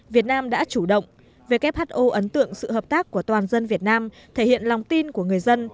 việt nam đã chủ động who ấn tượng sự hợp tác của toàn dân việt nam thể hiện lòng tin của người dân